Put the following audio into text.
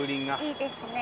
いいですね。